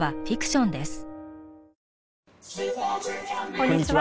こんにちは。